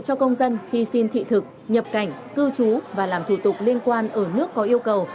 cho công dân khi xin thị thực nhập cảnh cư trú và làm thủ tục liên quan ở nước có yêu cầu